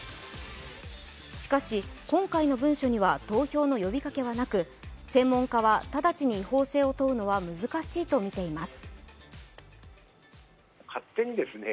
しかし今回の文書には投票の呼びかけはなく、専門家はただちに違法性を問うのは難しいとみています。